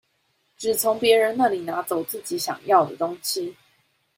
只從別人那裡拿走自己想要的東西